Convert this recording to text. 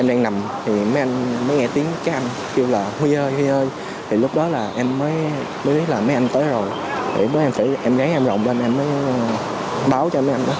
em gái em rộng bên em mới báo cho mấy anh đó